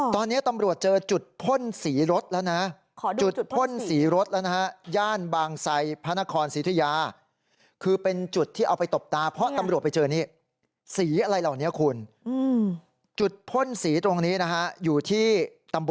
ตอนนี้ตำรวจเจอจุดพ่นสีรถแล้วนะ